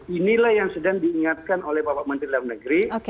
inilah yang sedang diingatkan oleh bapak menteri dalam negeri